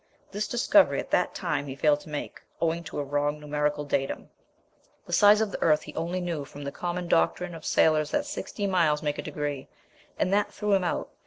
This discovery at that time he failed to make, owing to a wrong numerical datum. The size of the earth he only knew from the common doctrine of sailors that 60 miles make a degree; and that threw him out.